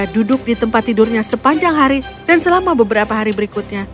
duduk di tempat tidurnya sepanjang hari dan selama beberapa hari berikutnya